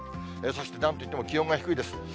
そしてなんといっても気温が低いです。